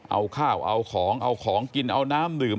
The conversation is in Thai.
เอาข้าวเอาของเอาของกินเอาน้ำดื่ม